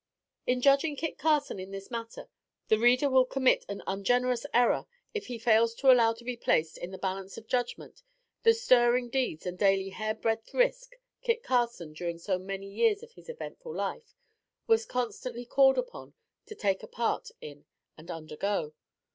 In judging Kit Carson in this matter, the reader will commit an ungenerous error if he fails to allow to be placed, in the balance of judgment, the stirring deeds and daily hair breadth risks Kit Carson, during so many years of his eventful life, was constantly called upon to take a part in and undergo.